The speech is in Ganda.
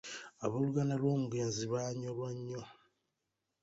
Abooluganda lw'omugenzi baanyolwa nnyo.